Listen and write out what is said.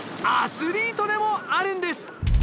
アスリートでもあるんです！